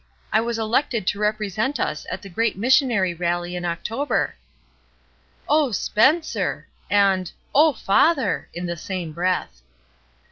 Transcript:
I was elected to rep resent us at the great missionary rally in October." "Oh, Spencer!" and ''Oh, father!" in the same breath.